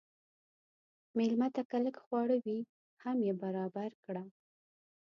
مېلمه ته که لږ خواړه وي، هم یې برابر کړه.